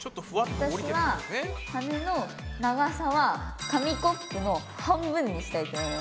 私は羽の長さは紙コップの半分にしたいと思います。